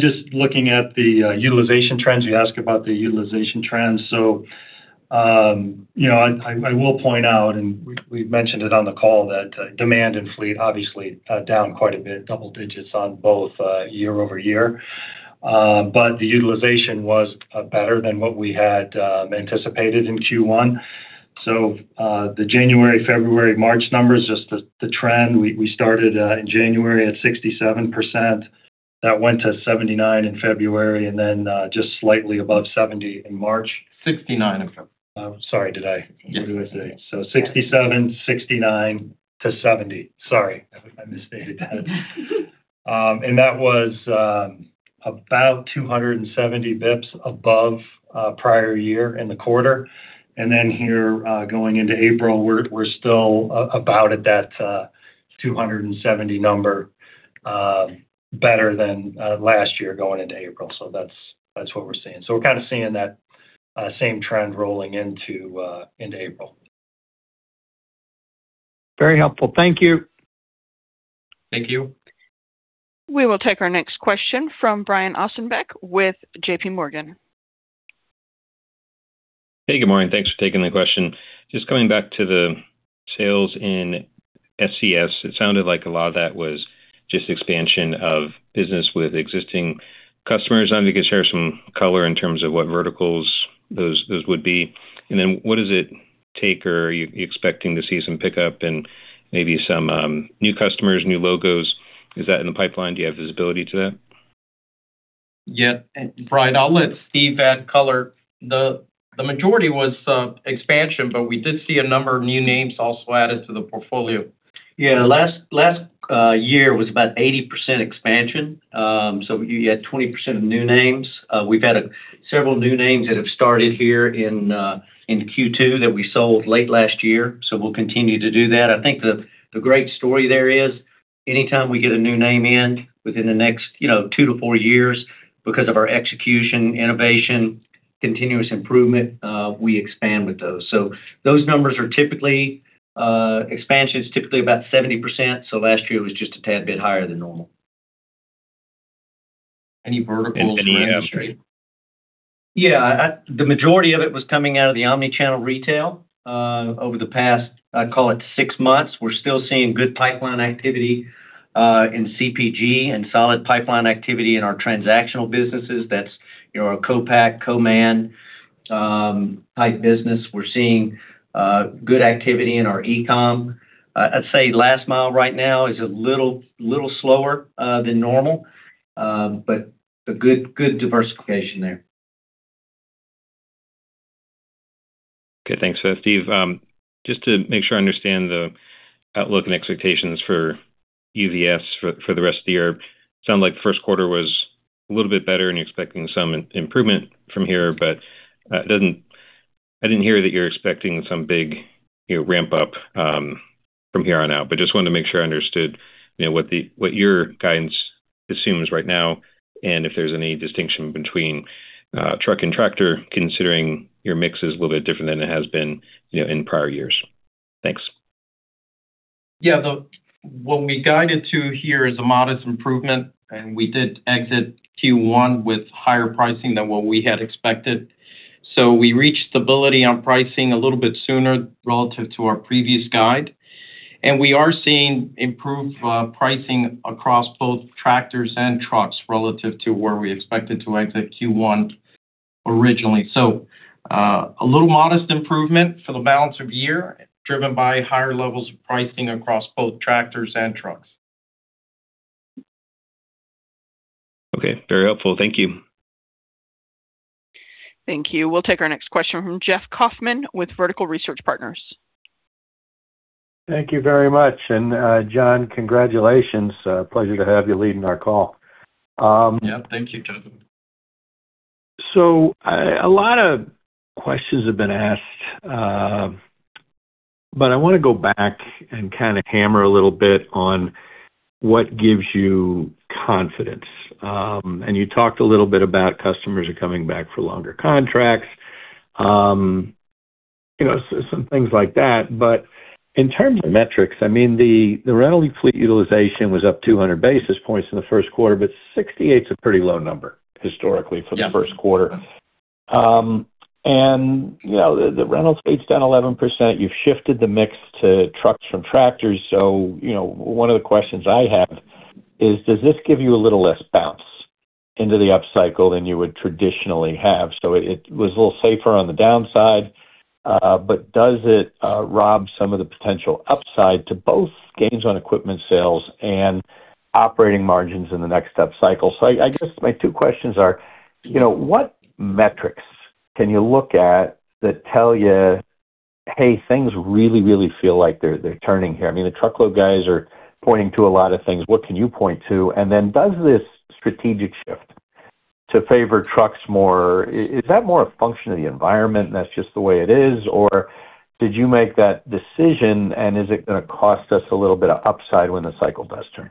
Just looking at the utilization trends, you asked about the utilization trends. I will point out, and we've mentioned it on the call that demand and fleet obviously are down quite a bit, double digits on both year-over-year. The utilization was better than what we had anticipated in Q1. The January, February, March numbers, just the trend, we started in January at 67%. That went to 79% in February and then just slightly above 70% in March. 69% in February. Sorry, what did I say? 67%, 69%-70%. Sorry. I misstated that. That was about 270 basis points above prior year in the quarter. Here, going into April, we're still about at that 270 number, better than last year going into April. That's what we're seeing. We're kind of seeing that same trend rolling into April. Very helpful. Thank you. Thank you. We will take our next question from Brian Ossenbeck with JPMorgan. Hey, good morning. Thanks for taking the question. Just coming back to the sales in SCS, it sounded like a lot of that was just expansion of business with existing customers. I don't know if you could share some color in terms of what verticals those would be, and then what does it take, or are you expecting to see some pickup and maybe some new customers, new logos? Is that in the pipeline? Do you have visibility to that? Yeah. Brian, I'll let Steve add color. The majority was expansion, but we did see a number of new names also added to the portfolio. Yeah. Last year was about 80% expansion. You had 20% of new names. We've had several new names that have started here in Q2 that we sold late last year, so we'll continue to do that. I think the great story there is anytime we get a new name in within the next two-four years, because of our execution, innovation, continuous improvement, we expand with those. Those numbers are typically, expansions, typically about 70%. Last year was just a tad bit higher than normal. Any verticals or industry? Any Yeah. The majority of it was coming out of the omnichannel retail, over the past. I'd call it six months. We're still seeing good pipeline activity in CPG and solid pipeline activity in our transactional businesses. That's our co-pack, co-man type business. We're seeing good activity in our e-commerce. I'd say last mile right now is a little slower than normal. A good diversification there. Okay. Thanks for that, Steve. Just to make sure I understand the outlook and expectations for EVs for the rest of the year. Sounds like the first quarter was a little bit better and you're expecting some improvement from here, but I didn't hear that you're expecting some big ramp up from here on out, but just wanted to make sure I understood what your guidance assumes right now, and if there's any distinction between truck and tractor, considering your mix is a little bit different than it has been in prior years? Thanks. Yeah, what we guided to here is a modest improvement, and we did exit Q1 with higher pricing than what we had expected. We reached stability on pricing a little bit sooner relative to our previous guide. We are seeing improved pricing across both tractors and trucks relative to where we expected to exit Q1 originally. A little modest improvement for the balance of year, driven by higher levels of pricing across both tractors and trucks. Okay. Very helpful. Thank you. Thank you. We'll take our next question from Jeff Kauffman with Vertical Research Partners. Thank you very much. John, congratulations. Pleasure to have you leading our call. Yeah. Thank you, Jeff. A lot of questions have been asked, but I want to go back and kind of hammer a little bit on what gives you confidence. You talked a little bit about customers are coming back for longer contracts, some things like that. In terms of metrics, I mean, the rental fleet utilization was up 200 basis points in the first quarter, but 68 is a pretty low number historically. Yeah .....for the first quarter. The rental fleet is down 11%. You've shifted the mix to trucks from tractors. One of the questions I have is, does this give you a little less bounce into the upcycle than you would traditionally have? It was a little safer on the downside, but does it rob some of the potential upside to both gains on equipment sales and operating margins in the next step cycle? I guess my two questions are, what metrics can you look at that tell you, Hey, things really, really feel like they're turning here? I mean, the truckload guys are pointing to a lot of things. What can you point to? And then does this strategic shift to favor trucks more, is that more a function of the environment and that's just the way it is? Did you make that decision, and is it going to cost us a little bit of upside when the cycle does turn?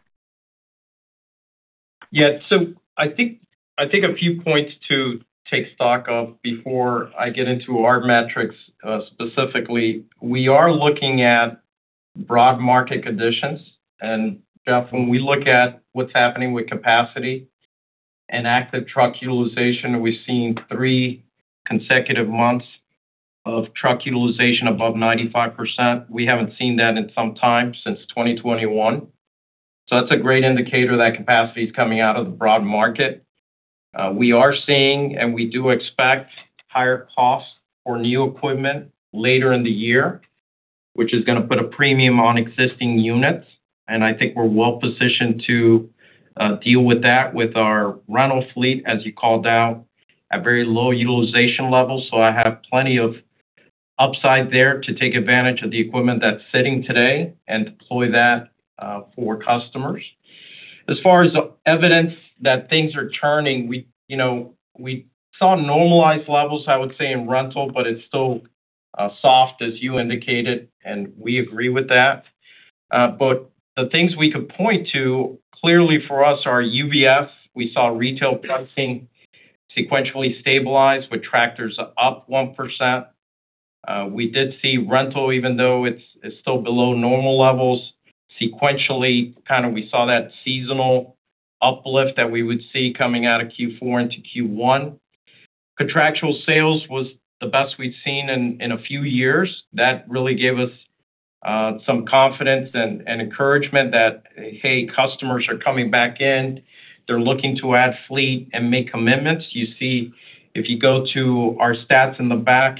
Yeah. I think a few points to take stock of before I get into our metrics, specifically. We are looking at broad market conditions. Jeff, when we look at what's happening with capacity and active truck utilization, we're seeing three consecutive months of truck utilization above 95%. We haven't seen that in some time, since 2021. That's a great indicator that capacity is coming out of the broad market. We are seeing, and we do expect higher costs for new equipment later in the year, which is going to put a premium on existing units. I think we're well-positioned to deal with that with our rental fleet, as you called out, at very low utilization levels. I have plenty of upside there to take advantage of the equipment that's sitting today and deploy that for customers. As far as evidence that things are turning, we saw normalized levels, I would say, in rental, but it's still soft, as you indicated, and we agree with that. But the things we could point to clearly for us are UVS. We saw retail pricing sequentially stabilize with tractors up 1%. We did see rental, even though it's still below normal levels, sequentially, kind of we saw that seasonal uplift that we would see coming out of Q4 into Q1. Contractual sales was the best we'd seen in a few years. That really gave us some confidence and encouragement that, hey, customers are coming back in. They're looking to add fleet and make commitments. You see, if you go to our stats in the back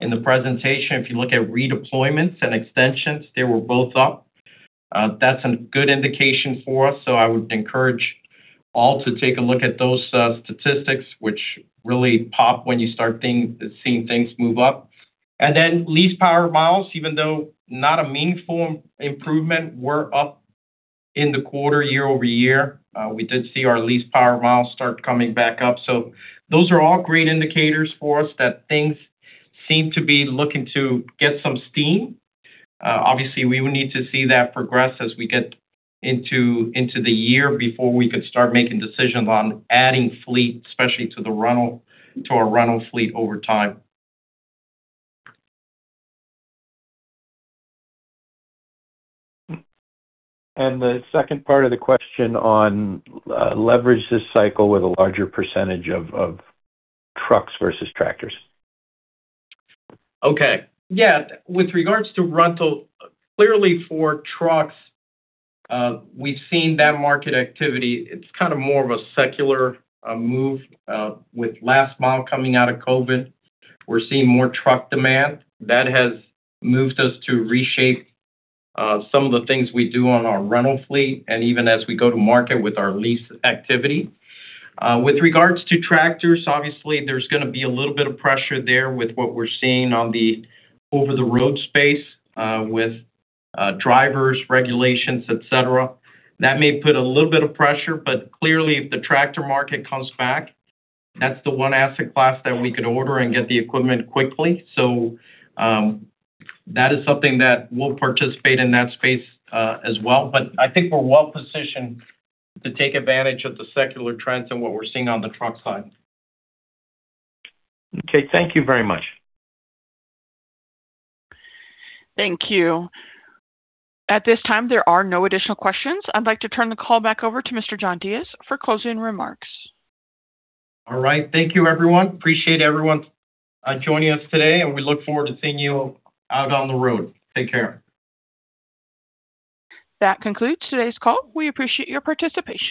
in the presentation, if you look at redeployments and extensions, they were both up. That's a good indication for us, so I would encourage all to take a look at those statistics, which really pop when you start seeing things move up. Then lease power miles, even though not a meaningful improvement, we're up in the quarter year-over-year. We did see our lease power miles start coming back up. Those are all great indicators for us that things seem to be looking to get some steam. Obviously, we would need to see that progress as we get into the year before we could start making decisions on adding fleet, especially to our rental fleet over time. The second part of the question on leverage this cycle with a larger percentage of trucks versus tractors. Okay. Yeah. With regards to rental, clearly for trucks, we've seen that market activity. It's kind of more of a secular move with last mile coming out of COVID. We're seeing more truck demand. That has moved us to reshape some of the things we do on our rental fleet and even as we go to market with our lease activity. With regards to tractors, obviously, there's going to be a little bit of pressure there with what we're seeing on the over-the-road space with drivers regulations, et cetera. That may put a little bit of pressure, but clearly, if the tractor market comes back, that's the one asset class that we could order and get the equipment quickly. So, that is something that we'll participate in that space as well. I think we're well-positioned to take advantage of the secular trends and what we're seeing on the truck side. Okay. Thank you very much. Thank you. At this time, there are no additional questions. I'd like to turn the call back over to Mr. John J. Diez for closing remarks. All right. Thank you, everyone. Appreciate everyone joining us today, and we look forward to seeing you out on the road. Take care. That concludes today's call. We appreciate your participation.